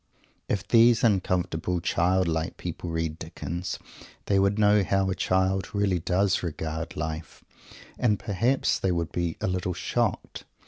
If these uncomfortably "childlike" people read Dickens, they would know how a child really does regard life, and perhaps they would be a little shocked.